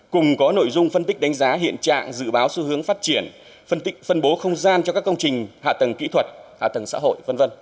cùng có nội dung phân tích đánh giá hiện trạng dự báo xu hướng phát triển phân bố không gian cho các công trình hạ tầng kỹ thuật hạ tầng xã hội v v